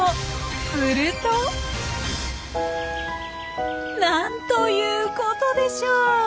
するとなんということでしょう！